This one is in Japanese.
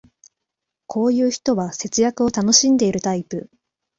こういう人は節約を楽しんでるタイプ